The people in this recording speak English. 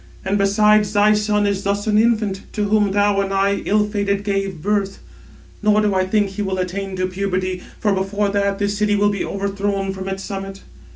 And besides, thy son is thus an infant, to whom thou and I, ill fated, gave birth; nor do I think he will attain to puberty; for before that, this city will be overthrown from its summit.